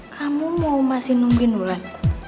kamu mau masih nunggin ulan